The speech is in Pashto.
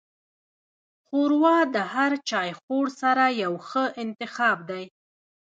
ښوروا د هر چایخوړ سره یو ښه انتخاب دی.